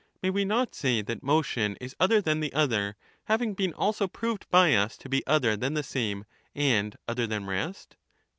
May we not say that motion is other than the other, having been also proved by us to be other than the same and other than rest